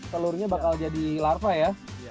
telurnya bakal jadi larva ya